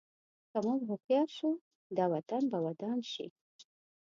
که موږ هوښیار شو، دا وطن به ودان شي.